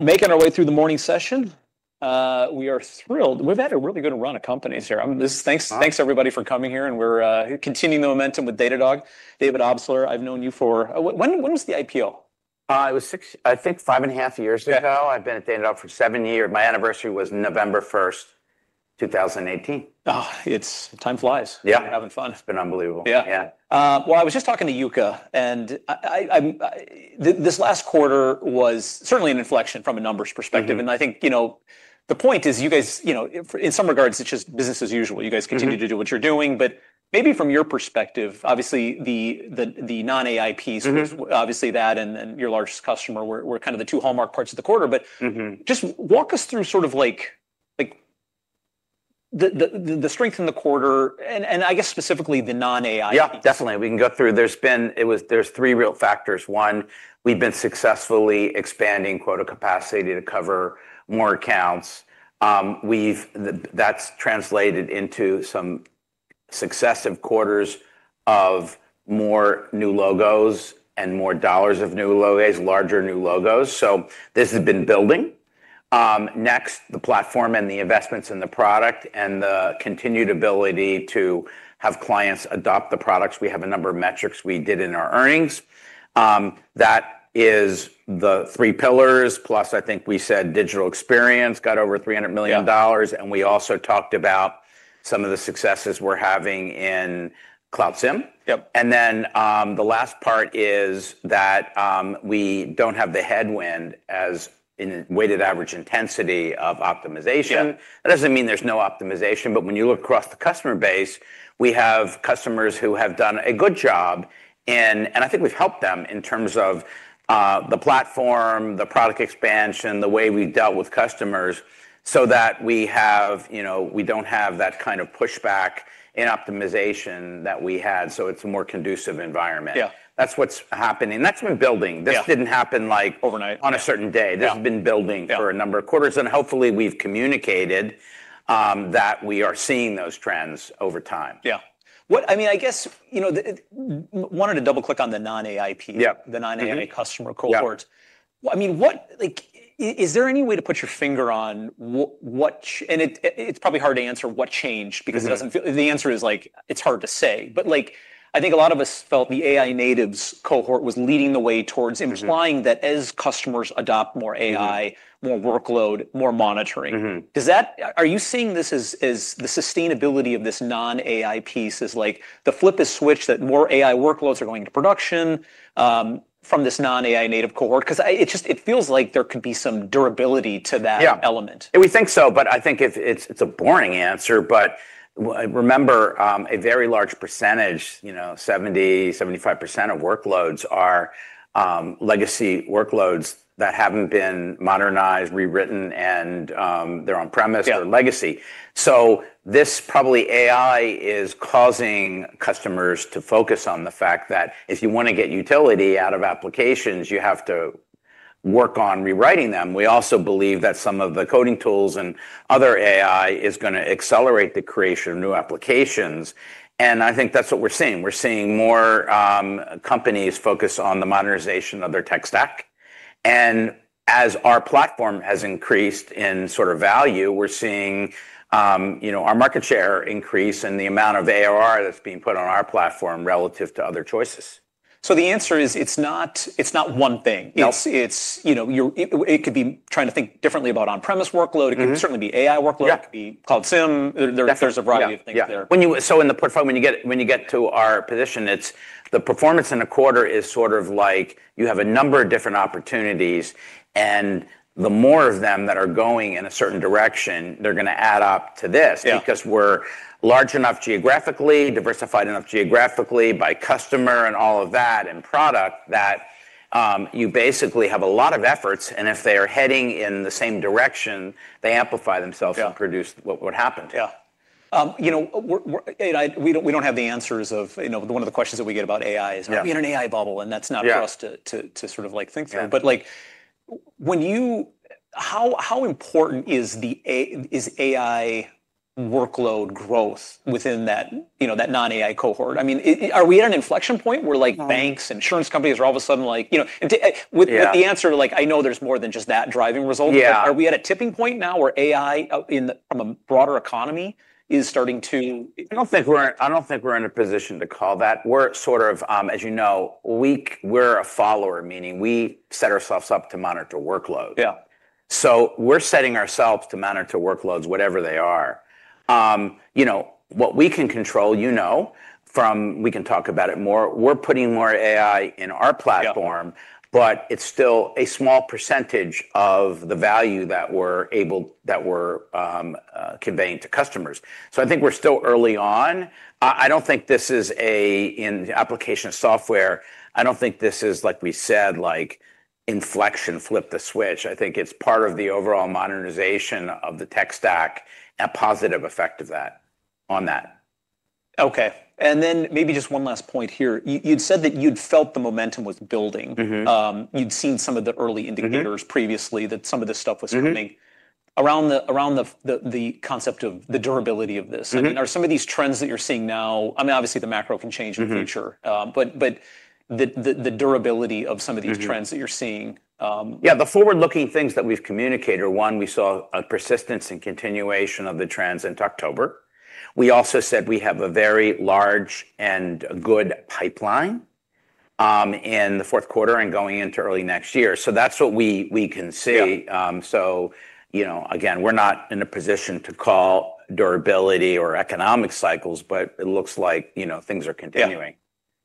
Making our way through the morning session. We are thrilled. We've had a really good run of companies here. Thanks, everybody, for coming here. We are continuing the momentum with Datadog. David Obstler, I've known you for when was the IPO? It was six, I think, five and a half years ago. I've been at Datadog for seven years. My anniversary was November 1, 2018. Oh, it's time flies. Yeah. Having fun. It's been unbelievable. Yeah. Yeah. I was just talking to Yuka. This last quarter was certainly an inflection from a numbers perspective. I think, you know, the point is you guys, you know, in some regards, it's just business as usual. You guys continue to do what you're doing. Maybe from your perspective, obviously, the non-AI piece, obviously that and your largest customer were kind of the two hallmark parts of the quarter. Just walk us through sort of like the strength in the quarter, and I guess specifically the non-AI piece. Yeah, definitely. We can go through. There's been three real factors. One, we've been successfully expanding quota capacity to cover more accounts. That's translated into some successive quarters of more new logos and more dollars of new logos, larger new logos. This has been building. Next, the platform and the investments in the product and the continued ability to have clients adopt the products. We have a number of metrics we did in our earnings. That is the three pillars, plus I think we said Digital Experience Monitoring got over $300 million. We also talked about some of the successes we're having in Cloud SIEM. The last part is that we don't have the headwind as in weighted average intensity of optimization. That doesn't mean there's no optimization. When you look across the customer base, we have customers who have done a good job. I think we've helped them in terms of the platform, the product expansion, the way we've dealt with customers so that we have, you know, we don't have that kind of pushback in optimization that we had. It is a more conducive environment. Yeah. That's what's happening. That's been building. This didn't happen like. Overnight. On a certain day. This has been building for a number of quarters. Hopefully, we've communicated that we are seeing those trends over time. Yeah. I mean, I guess, you know, wanted to double-click on the non-AI piece, the non-AI customer cohort. I mean, is there any way to put your finger on what—and it's probably hard to answer what changed because it doesn't feel—the answer is like, it's hard to say. Like, I think a lot of us felt the AI natives cohort was leading the way towards implying that as customers adopt more AI, more workload, more monitoring. Are you seeing this as the sustainability of this non-AI piece is like the flip of a switch that more AI workloads are going to production from this non-AI native cohort? Because it just feels like there could be some durability to that element. Yeah, we think so. I think it's a boring answer. Remember, a very large percentage, you know, 70%-75% of workloads are legacy workloads that haven't been modernized, rewritten, and they're on-premise or legacy. This probably AI is causing customers to focus on the fact that if you want to get utility out of applications, you have to work on rewriting them. We also believe that some of the coding tools and other AI is going to accelerate the creation of new applications. I think that's what we're seeing. We're seeing more companies focus on the modernization of their tech stack. As our platform has increased in sort of value, we're seeing, you know, our market share increase in the amount of ARR that's being put on our platform relative to other choices. The answer is it's not one thing. No. It's, you know, it could be trying to think differently about on-premise workload. It could certainly be AI workload. It could be Cloud SIEM. There's a variety of things there. Yeah. In the portfolio, when you get to our position, it's the performance in a quarter is sort of like you have a number of different opportunities. The more of them that are going in a certain direction, they're going to add up to this. Because we're large enough geographically, diversified enough geographically by customer and all of that and product, you basically have a lot of efforts. If they are heading in the same direction, they amplify themselves and produce what happened. Yeah. You know, we don't have the answers of, you know, one of the questions that we get about AI is, are we in an AI bubble? That's not for us to sort of like think through. Like, how important is AI workload growth within that non-AI cohort? I mean, are we at an inflection point where like banks, insurance companies are all of a sudden like, you know, with the answer like, I know there's more than just that driving result. Are we at a tipping point now where AI from a broader economy is starting to? I don't think we're in a position to call that. We're sort of, as you know, we're a follower, meaning we set ourselves up to monitor workloads. Yeah. We're setting ourselves to monitor workloads, whatever they are. You know, what we can control, you know, from we can talk about it more. We're putting more AI in our platform. It is still a small percentage of the value that we're able, that we're conveying to customers. I think we're still early on. I do not think this is an application of software. I do not think this is, like we said, like inflection, flip the switch. I think it is part of the overall modernization of the tech stack and a positive effect of that on that. OK. Maybe just one last point here. You'd said that you'd felt the momentum was building. You'd seen some of the early indicators previously that some of this stuff was coming around the concept of the durability of this. I mean, are some of these trends that you're seeing now, I mean, obviously, the macro can change in the future. The durability of some of these trends that you're seeing. Yeah, the forward-looking things that we've communicated are, one, we saw a persistence and continuation of the trends in October. We also said we have a very large and good pipeline in the fourth quarter and going into early next year. That's what we can see. You know, again, we're not in a position to call durability or economic cycles. It looks like, you know, things are continuing.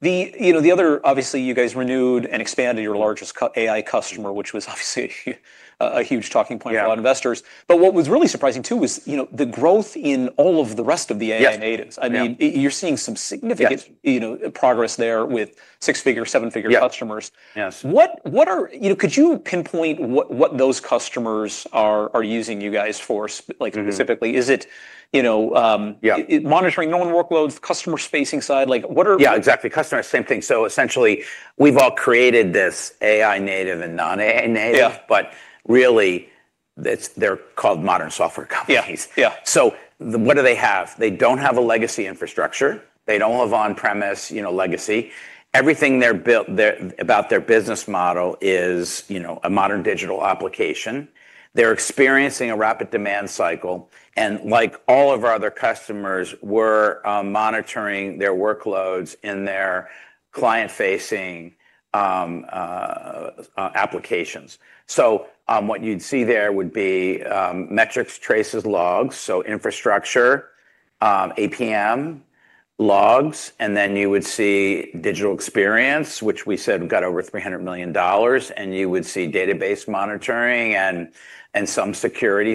You know, the other, obviously, you guys renewed and expanded your largest AI customer, which was obviously a huge talking point for a lot of investors. What was really surprising, too, was, you know, the growth in all of the rest of the AI natives. I mean, you're seeing some significant, you know, progress there with six-figure, seven-figure customers. Yes. What are, you know, could you pinpoint what those customers are using you guys for, like specifically? Is it, you know, monitoring known workloads, customer-facing side? Like, what are? Yeah, exactly. Customers, same thing. Essentially, we've all created this AI native and non-AI native. Really, they're called modern software companies. Yeah. What do they have? They don't have a legacy infrastructure. They don't have on-premise, you know, legacy. Everything about their business model is, you know, a modern digital application. They're experiencing a rapid demand cycle. Like all of our other customers, we're monitoring their workloads in their client-facing applications. What you'd see there would be metrics, traces, logs. Infrastructure, APM logs. Then you would see digital experience, which we said we've got over $300 million. You would see database monitoring and some security.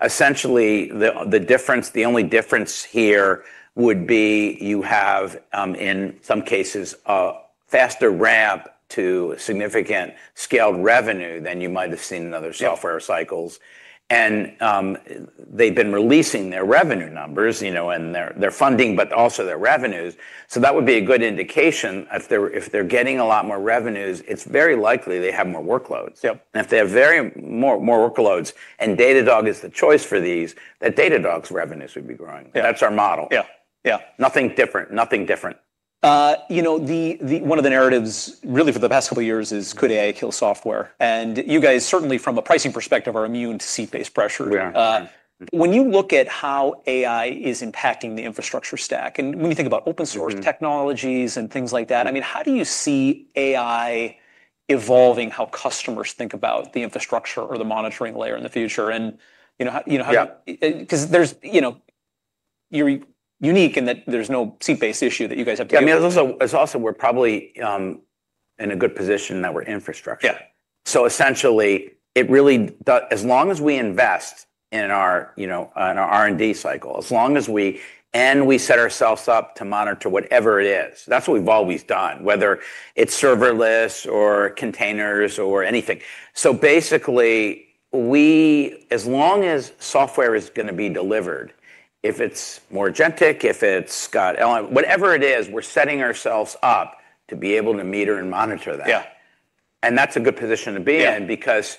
Essentially, the difference, the only difference here would be you have, in some cases, a faster ramp to significant scaled revenue than you might have seen in other software cycles. They've been releasing their revenue numbers, you know, and their funding, but also their revenues. That would be a good indication. If they're getting a lot more revenues, it's very likely they have more workloads. If they have very more workloads and Datadog is the choice for these, that Datadog's revenues would be growing. That's our model. Yeah. Yeah. Nothing different, nothing different. You know, one of the narratives really for the past couple of years is, could AI kill software? And you guys, certainly from a pricing perspective, are immune to seat-based pressure. We are. When you look at how AI is impacting the infrastructure stack, and when you think about open-source technologies and things like that, I mean, how do you see AI evolving how customers think about the infrastructure or the monitoring layer in the future? You know, how do you, because there's, you know, you're unique in that there's no seat-based issue that you guys have to deal with. Yeah, I mean, it's also we're probably in a good position in that we're infrastructure. Yeah. Essentially, it really does as long as we invest in our, you know, in our R&D cycle, as long as we and we set ourselves up to monitor whatever it is. That's what we've always done, whether it's serverless or containers or anything. Basically, we, as long as software is going to be delivered, if it's more agentic, if it's got whatever it is, we're setting ourselves up to be able to meter and monitor that. Yeah. That's a good position to be in because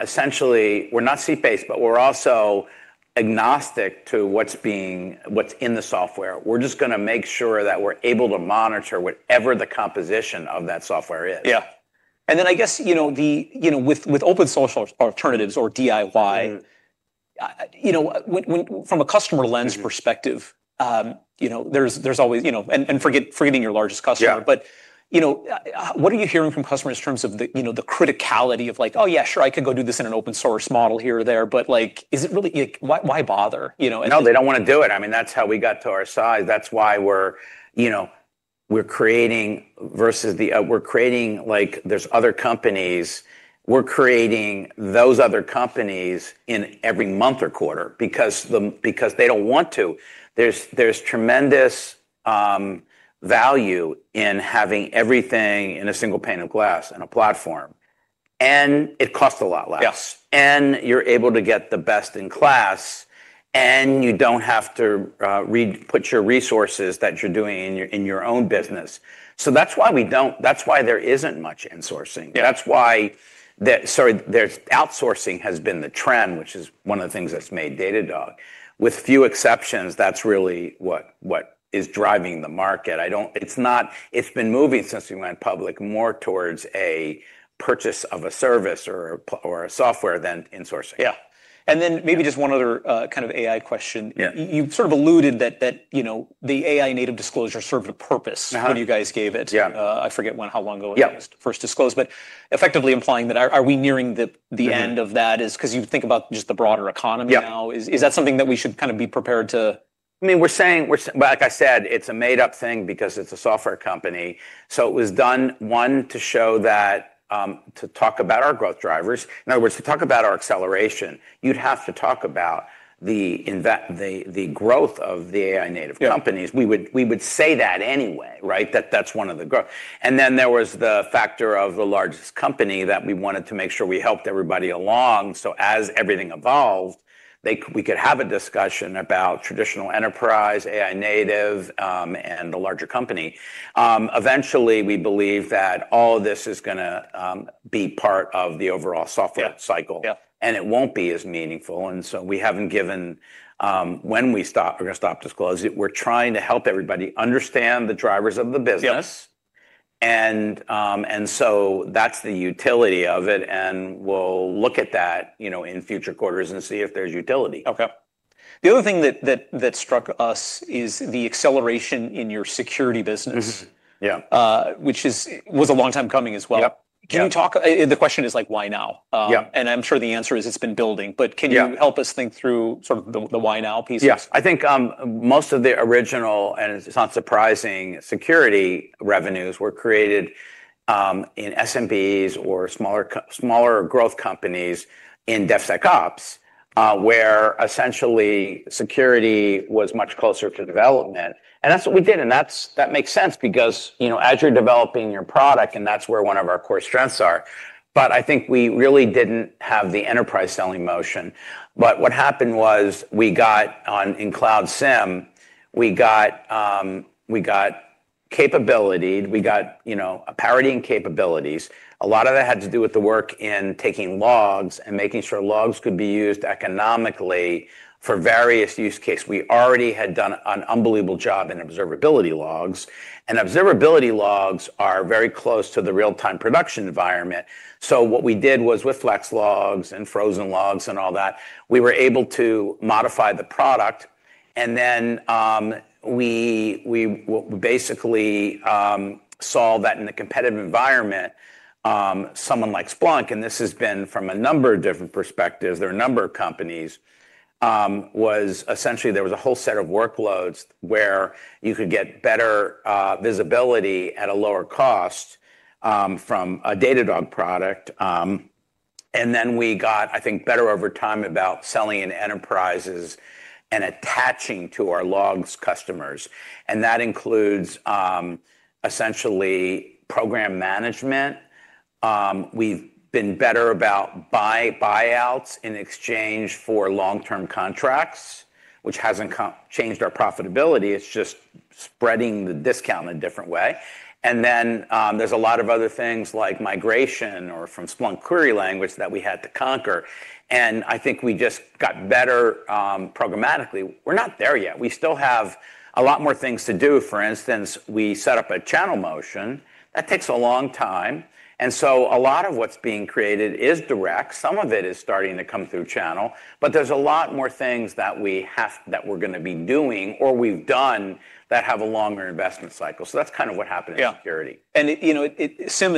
essentially, we're not seat-based, but we're also agnostic to what's being, what's in the software. We're just going to make sure that we're able to monitor whatever the composition of that software is. Yeah. I guess, you know, with open-source alternatives or DIY, you know, from a customer lens perspective, you know, there's always, you know, and forgetting your largest customer, what are you hearing from customers in terms of the criticality of like, oh, yeah, sure, I could go do this in an open-source model here or there. Like, is it really, why bother, you know. No, they don't want to do it. I mean, that's how we got to our size. That's why we're, you know, we're creating versus the, we're creating, like, there's other companies. We're creating those other companies in every month or quarter because they don't want to. There's tremendous value in having everything in a single pane of glass and a platform. It costs a lot less. Yes. You're able to get the best in class. You don't have to re-put your resources that you're doing in your own business. That's why there isn't much in-sourcing. Sorry, outsourcing has been the trend, which is one of the things that's made Datadog. With few exceptions, that's really what is driving the market. It's been moving since we went public more towards a purchase of a service or a software than in-sourcing. Yeah. And then maybe just one other kind of AI question. You sort of alluded that, you know, the AI native disclosure served a purpose when you guys gave it. Yeah. I forget when, how long ago it was first disclosed. Effectively, implying that, are we nearing the end of that? Is it because you think about just the broader economy now? Is that something that we should kind of be prepared to? I mean, we're saying we're, like I said, it's a made-up thing because it's a software company. It was done, one, to show that, to talk about our growth drivers. In other words, to talk about our acceleration, you'd have to talk about the growth of the AI native companies. We would say that anyway, right? That's one of the growth. There was the factor of the largest company that we wanted to make sure we helped everybody along. As everything evolved, we could have a discussion about traditional enterprise, AI native, and the larger company. Eventually, we believe that all of this is going to be part of the overall software cycle. It won't be as meaningful. We haven't given when we stop, we're going to stop disclosing. We're trying to help everybody understand the drivers of the business. Yes. That's the utility of it. We'll look at that, you know, in future quarters and see if there's utility. OK. The other thing that struck us is the acceleration in your security business, which was a long time coming as well. Yep. Can you talk, the question is like, why now? Yeah. I'm sure the answer is it's been building. Can you help us think through sort of the why now piece? Yes. I think most of the original, and it's not surprising, security revenues were created in SMBs or smaller growth companies in DevSecOps, where essentially security was much closer to development. And that's what we did. That makes sense because, you know, as you're developing your product, and that's where one of our core strengths are. I think we really didn't have the enterprise selling motion. What happened was we got on in Cloud SIEM, we got capability. We got, you know, a parity in capabilities. A lot of that had to do with the work in taking logs and making sure logs could be used economically for various use cases. We already had done an unbelievable job in observability logs. Observability logs are very close to the real-time production environment. What we did was with Flex Logs and Frozen Logs and all that, we were able to modify the product. We basically saw that in the competitive environment, someone like Splunk, and this has been from a number of different perspectives. There are a number of companies, essentially there was a whole set of workloads where you could get better visibility at a lower cost from a Datadog product. We got, I think, better over time about selling in enterprises and attaching to our logs customers. That includes essentially program management. We have been better about buyouts in exchange for long-term contracts, which has not changed our profitability. It is just spreading the discount in a different way. There are a lot of other things like migration or from Splunk Query Language that we had to conquer. I think we just got better programmatically. We're not there yet. We still have a lot more things to do. For instance, we set up a channel motion. That takes a long time. A lot of what's being created is direct. Some of it is starting to come through channel. There are a lot more things that we have that we're going to be doing or we've done that have a longer investment cycle. That's kind of what happened in security. Yeah. And, you know, SIEM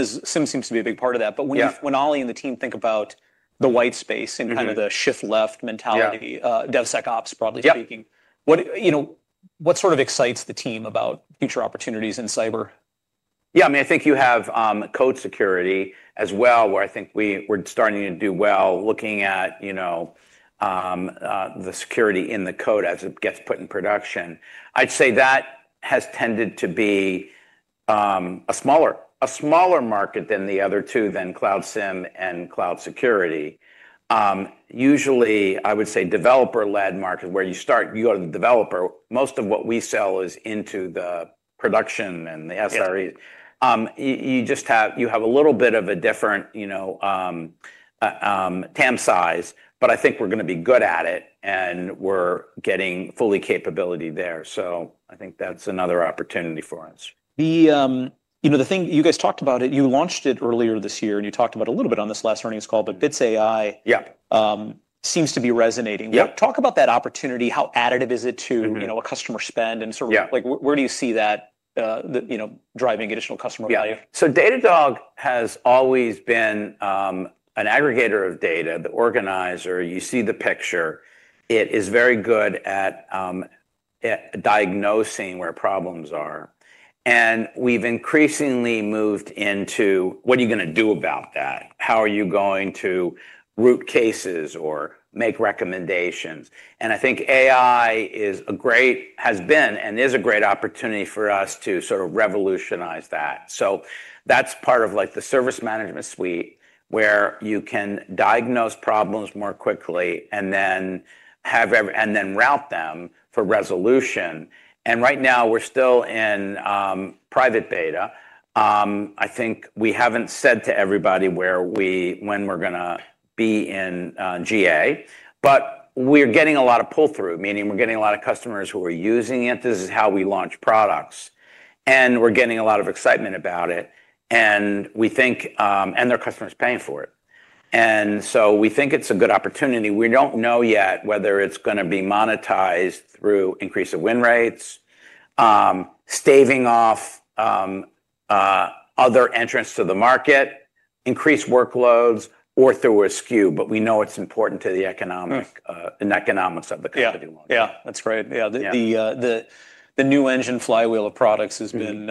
seems to be a big part of that. When Ollie and the team think about the white space and kind of the shift-left mentality, DevSecOps, broadly speaking, what, you know, what sort of excites the team about future opportunities in cyber? Yeah, I mean, I think you have code security as well, where I think we're starting to do well looking at, you know, the security in the code as it gets put in production. I'd say that has tended to be a smaller market than the other two, than Cloud SIEM and cloud security. Usually, I would say developer-led market, where you start, you are the developer. Most of what we sell is into the production and the SREs. You just have a little bit of a different, you know, TAM size. I think we're going to be good at it. And we're getting fully capability there. I think that's another opportunity for us. The, you know, the thing you guys talked about it, you launched it earlier this year. You talked about it a little bit on this last earnings call. Bits AI seems to be resonating. Yep. Talk about that opportunity. How additive is it to, you know, a customer spend? And sort of like, where do you see that, you know, driving additional customer value? Yeah. Datadog has always been an aggregator of data, the organizer. You see the picture. It is very good at diagnosing where problems are. We've increasingly moved into what are you going to do about that? How are you going to root cases or make recommendations? I think AI is a great, has been and is a great opportunity for us to sort of revolutionize that. That's part of the service management suite, where you can diagnose problems more quickly and then have and then route them for resolution. Right now, we're still in private beta. I think we haven't said to everybody where we, when we're going to be in GA. We're getting a lot of pull-through, meaning we're getting a lot of customers who are using it. This is how we launch products. We are getting a lot of excitement about it. We think and their customer's paying for it. We think it is a good opportunity. We do not know yet whether it is going to be monetized through increase of win rates, staving off other entrants to the market, increased workloads, or through a SKU. We know it is important to the economics of the company. Yeah. Yeah, that's great. Yeah. The new engine flywheel of products has been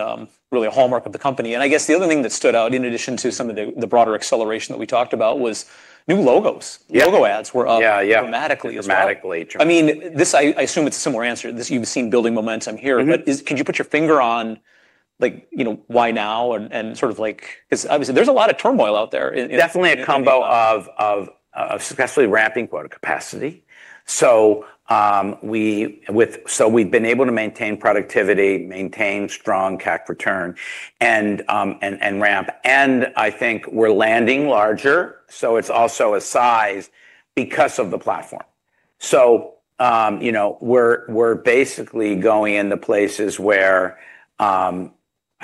really a hallmark of the company. I guess the other thing that stood out in addition to some of the broader acceleration that we talked about was new logos. Yeah. Logo ads were up dramatically. Yeah, yeah. Dramatically. I mean, this I assume it's a similar answer. You've seen building momentum here. Could you put your finger on like, you know, why now? And sort of like because obviously, there's a lot of turmoil out there. Definitely a combo of successfully ramping quota capacity. So we've been able to maintain productivity, maintain strong CAC return, and ramp. I think we're landing larger. It's also a size because of the platform. You know, we're basically going in the places where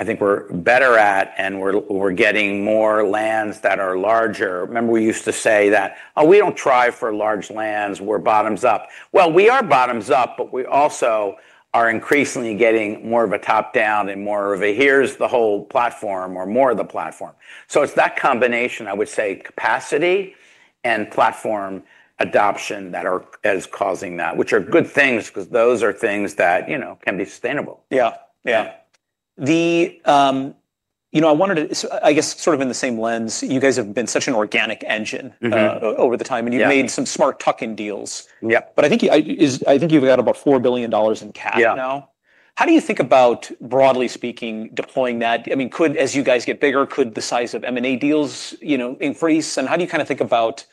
I think we're better at, and we're getting more lands that are larger. Remember, we used to say that, oh, we don't try for large lands, we're bottoms up. We are bottoms up, but we also are increasingly getting more of a top-down and more of a here's the whole platform or more of the platform. It's that combination, I would say, capacity and platform adoption that are causing that, which are good things because those are things that, you know, can be sustainable. Yeah. Yeah. You know, I wanted to, I guess, sort of in the same lens, you guys have been such an organic engine over the time. And you've made some smart tuck-in deals. Yep. I think you've got about $4 billion in CAC now. Yeah. How do you think about, broadly speaking, deploying that? I mean, could as you guys get bigger, could the size of M&A deals, you know, increase? How do you kind of think about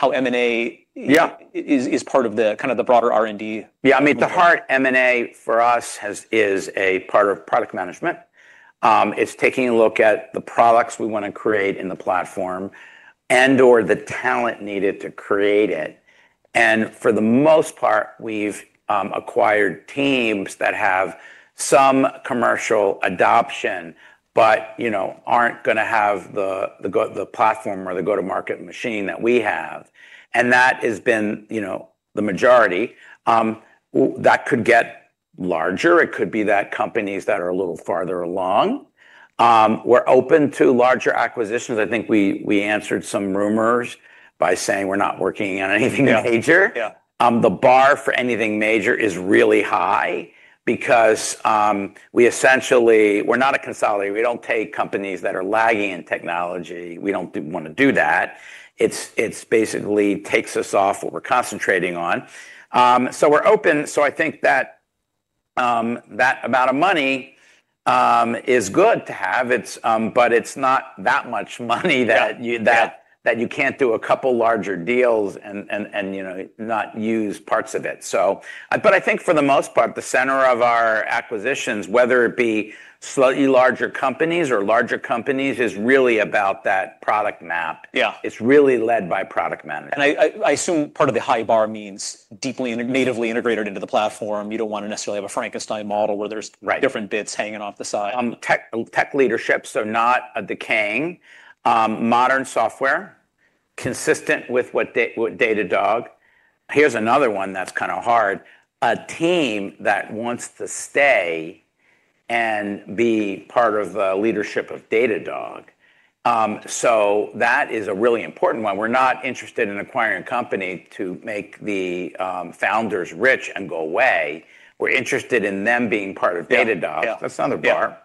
how M&A is part of the kind of the broader R&D? Yeah. I mean, at the heart, M&A for us is a part of product management. It's taking a look at the products we want to create in the platform and/or the talent needed to create it. And for the most part, we've acquired teams that have some commercial adoption but, you know, aren't going to have the platform or the go-to-market machine that we have. That has been, you know, the majority. That could get larger. It could be that companies that are a little farther along. We're open to larger acquisitions. I think we answered some rumors by saying we're not working on anything major. Yeah. Yeah. The bar for anything major is really high because we essentially we're not a consolidator. We don't take companies that are lagging in technology. We don't want to do that. It basically takes us off what we're concentrating on. We're open. I think that that amount of money is good to have. It's not that much money that you can't do a couple larger deals and, you know, not use parts of it. I think for the most part, the center of our acquisitions, whether it be slightly larger companies or larger companies, is really about that product map. Yeah. It's really led by product management. I assume part of the high bar means deeply and natively integrated into the platform. You do not want to necessarily have a Frankenstein model where there are different bits hanging off the side. Tech leaderships are not decaying. Modern software consistent with what Datadog. Here's another one that's kind of hard. A team that wants to stay and be part of the leadership of Datadog. That is a really important one. We're not interested in acquiring a company to make the founders rich and go away. We're interested in them being part of Datadog. Yeah. That's another bar.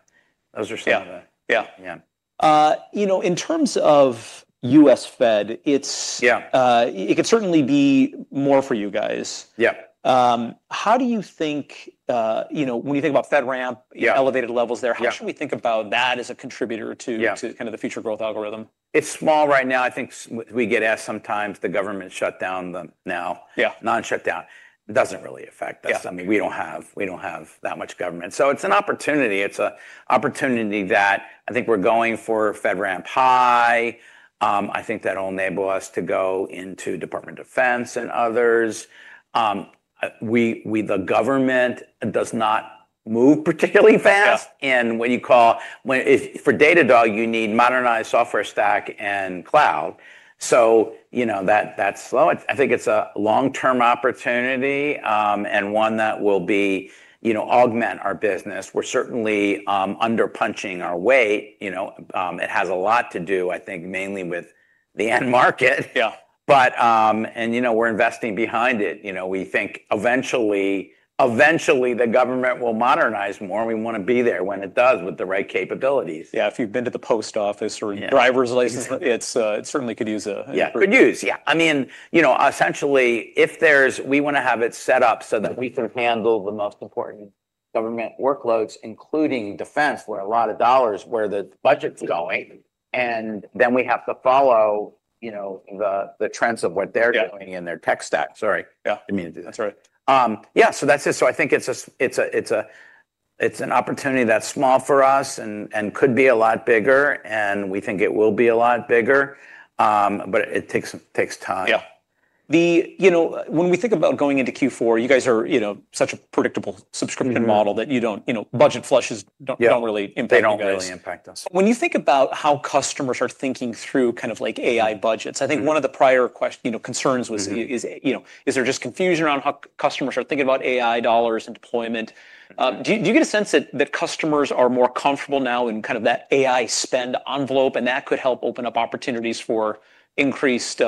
Those are some of the. Yeah. Yeah. You know, in terms of U.S. Fed, it could certainly be more for you guys. Yeah. How do you think, you know, when you think about FedRAMP, elevated levels there, how should we think about that as a contributor to kind of the future growth algorithm? It's small right now. I think we get asked sometimes, the government shutdown them now. Yeah. Non-shutdown. It doesn't really affect us. Yeah. I mean, we do not have that much government. So it is an opportunity. It is an opportunity that I think we are going for FedRAMP high. I think that will enable us to go into Department of Defense and others. The government does not move particularly fast. Yeah. What you call for Datadog, you need modernized software stack and cloud. You know, that's slow. I think it's a long-term opportunity and one that will be, you know, augment our business. We're certainly under-punching our weight. You know, it has a lot to do, I think, mainly with the end market. Yeah. You know, we're investing behind it. You know, we think eventually, eventually the government will modernize more. And we want to be there when it does with the right capabilities. Yeah. If you've been to the post office or driver's license, it certainly could use a. Yeah, could use. Yeah. I mean, you know, essentially, if there's we want to have it set up so that we can handle the most important government workloads, including defense, where a lot of dollars, where the budget's going. And then we have to follow, you know, the trends of what they're doing in their tech stack. Sorry. Yeah. I mean, that's right. Yeah, so that's it. I think it's an opportunity that's small for us and could be a lot bigger. We think it will be a lot bigger. It takes time. Yeah. The, you know, when we think about going into Q4, you guys are, you know, such a predictable subscription model that you don't, you know, budget flushes don't really impact you guys. They don't really impact us. When you think about how customers are thinking through kind of like AI budgets, I think one of the prior questions, you know, concerns was, you know, is there just confusion around how customers are thinking about AI dollars and deployment? Do you get a sense that customers are more comfortable now in kind of that AI spend envelope? That could help open up opportunities for increased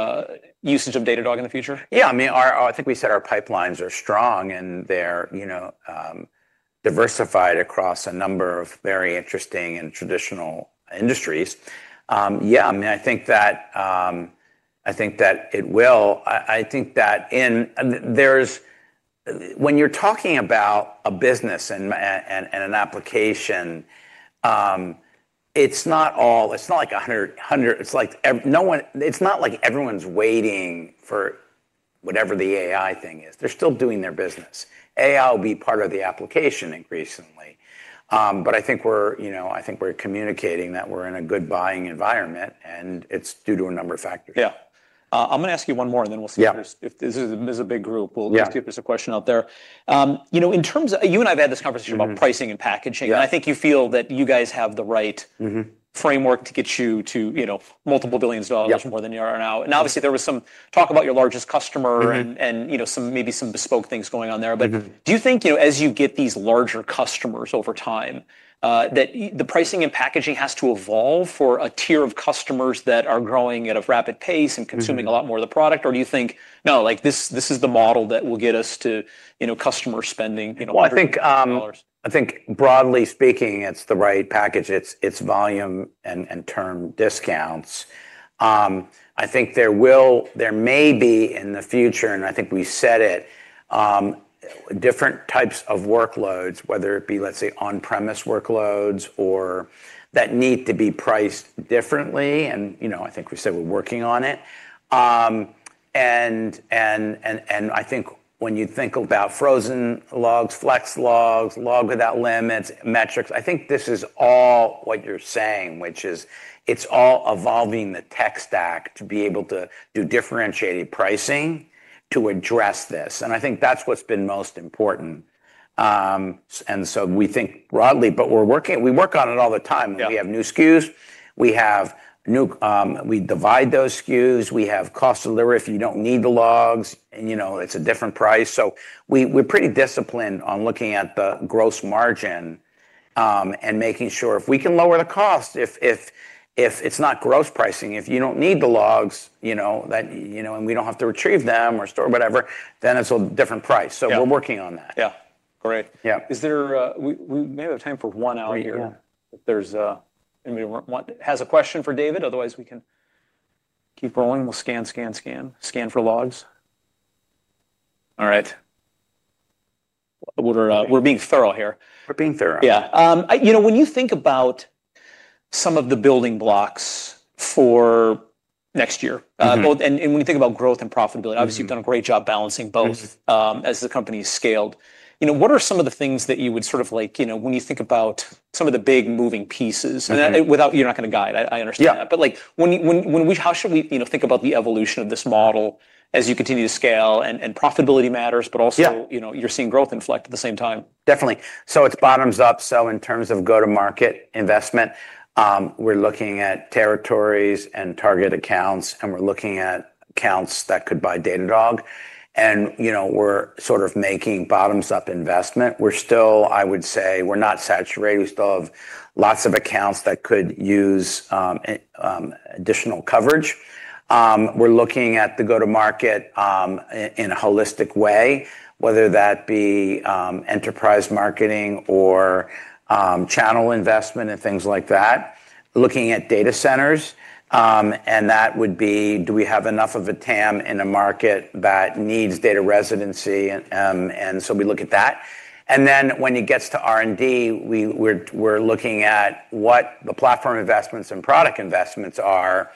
usage of Datadog in the future? Yeah. I mean, I think we said our pipelines are strong. And they're, you know, diversified across a number of very interesting and traditional industries. Yeah, I mean, I think that I think that it will. I think that when you're talking about a business and an application, it's not all, it's not like 100, it's like no one, it's not like everyone's waiting for whatever the AI thing is. They're still doing their business. AI will be part of the application increasingly. But I think we're, you know, I think we're communicating that we're in a good buying environment. And it's due to a number of factors. Yeah. I'm going to ask you one more. And then we'll see if this is a big group. We'll just keep this a question out there. You know, in terms of you and I've had this conversation about pricing and packaging. And I think you feel that you guys have the right framework to get you to, you know, multiple billions of dollars more than you are now. And obviously, there was some talk about your largest customer and, you know, some maybe some bespoke things going on there. But do you think, you know, as you get these larger customers over time, that the pricing and packaging has to evolve for a tier of customers that are growing at a rapid pace and consuming a lot more of the product? Or do you think, no, like this is the model that will get us to, you know, customer spending, you know, $100? I think broadly speaking, it's the right package. It's volume and term discounts. I think there may be in the future, and I think we said it, different types of workloads, whether it be, let's say, on-premise workloads that need to be priced differently. You know, I think we said we're working on it. I think when you think about Frozen Logs, Flex Logs, Log Management without limits, metrics, I think this is all what you're saying, which is it's all evolving the tech stack to be able to do differentiated pricing to address this. I think that's what's been most important. We think broadly. We're working, we work on it all the time. Yeah. We have new SKUs. We have new, we divide those SKUs. We have costs delivered if you do not need the logs. You know, it is a different price. We are pretty disciplined on looking at the gross margin and making sure if we can lower the cost, if it is not gross pricing, if you do not need the logs, you know, that, you know, and we do not have to retrieve them or store whatever, then it is a different price. Yeah. We're working on that. Yeah. Great. Yeah. Is there, we may have time for one hour here. Great. Yeah. If there's anybody who has a question for David, otherwise we can keep rolling. We'll scan for logs. All right. We're being thorough here. We're being thorough. Yeah. You know, when you think about some of the building blocks for next year, both and when you think about growth and profitability, obviously, you've done a great job balancing both as the company has scaled. You know, what are some of the things that you would sort of like, you know, when you think about some of the big moving pieces? And without, you're not going to guide. I understand that. Like, when we, how should we, you know, think about the evolution of this model as you continue to scale? And profitability matters. But also, you know, you're seeing growth inflect at the same time. Definitely. It is bottoms up. In terms of go-to-market investment, we're looking at territories and target accounts. We're looking at accounts that could buy Datadog. You know, we're sort of making bottoms up investment. I would say we're not saturated. We still have lots of accounts that could use additional coverage. We're looking at the go-to-market in a holistic way, whether that be enterprise marketing or channel investment and things like that. Looking at data centers. That would be, do we have enough of a TAM in a market that needs data residency? We look at that. When it gets to R&D, we're looking at what the platform investments and product investments are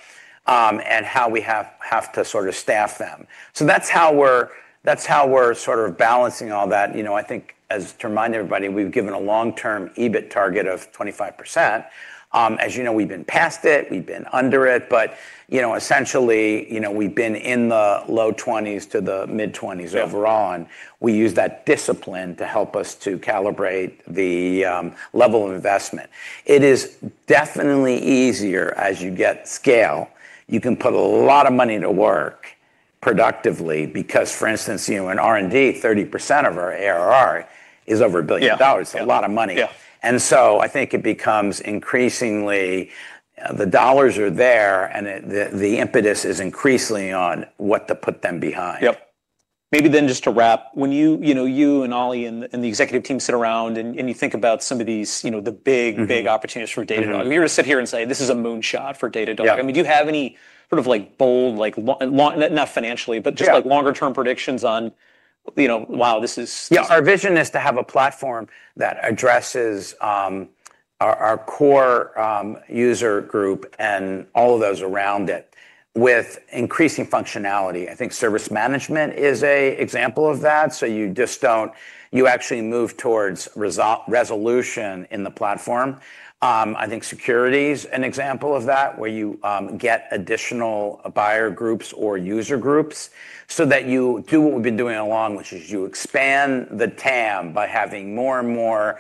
and how we have to sort of staff them. That's how we're sort of balancing all that. You know, I think as to remind everybody, we've given a long-term EBIT target of 25%. As you know, we've been past it. We've been under it. But, you know, essentially, you know, we've been in the low 20s to the mid-20s overall. And we use that discipline to help us to calibrate the level of investment. It is definitely easier as you get scale. You can put a lot of money to work productively because, for instance, you know, in R&D, 30% of our ARR is over $1 billion. Yeah. It's a lot of money. Yeah. I think it becomes increasingly the dollars are there. The impetus is increasingly on what to put them behind. Yep. Maybe then just to wrap, when you, you know, you and Ali and the executive team sit around and you think about some of these, you know, the big, big opportunities for Datadog, you're going to sit here and say, this is a moonshot for Datadog. Yeah. I mean, do you have any sort of like bold, like not financially, but just like longer-term predictions on, you know, wow, this is. Yeah. Our vision is to have a platform that addresses our core user group and all of those around it with increasing functionality. I think service management is an example of that. You actually move towards resolution in the platform. I think security is an example of that where you get additional buyer groups or user groups so that you do what we've been doing along, which is you expand the TAM by having more and more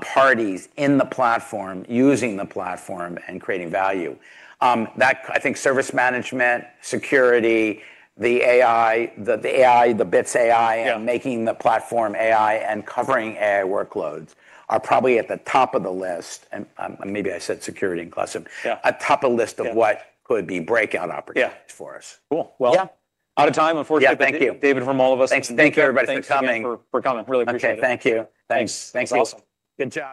parties in the platform using the platform and creating value. I think service management, security, the AI, the AI, the Bits AI, and making the platform AI and covering AI workloads are probably at the top of the list. Maybe I said security and classic. Yeah. At top of the list of what could be breakout opportunities for us. Cool. Well. Yeah. Out of time, unfortunately. Yeah. Thank you. David, from all of us. Thank you. Thank you everybody for coming. Thanks for coming. Really appreciate it. OK. Thank you. Thanks. Thanks. Thanks. Thanks. Awesome. Good job.